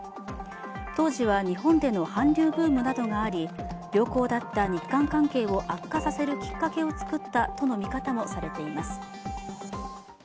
当時は日本での韓流ブームなどがあり良好だった日韓関係を悪化させるきっかけを作ったとの見方もされています。